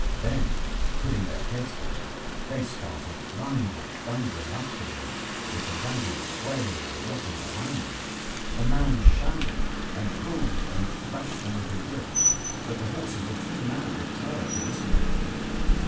Then, putting their heads down, they started blindly thundering up the road, with the waggon swaying and rocking behind them. The man shouted and pulled and thrashed them with his whip, but the horses were too mad with terror to listen to him.